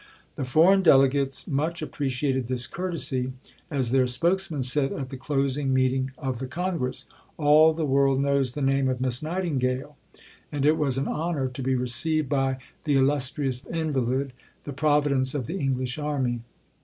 The foreign delegates much appreciated this courtesy, as their spokesman said at the closing meeting of the Congress; "all the world knows the name of Miss Nightingale," and it was an honour to be received by "the illustrious invalid, the Providence of the English Army."